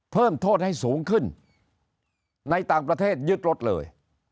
เพิ่มโทษให้สูงขึ้นในต่างประเทศยึดรถเลย